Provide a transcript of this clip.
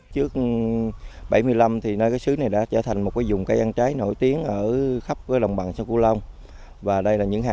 trước một nghìn chín trăm bảy mươi năm nơi xứ này đã trở thành một dùng cây ăn trái nổi tiếng ở khắp đồng bằng sông cù long